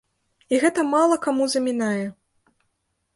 І гэта мала каму замінае.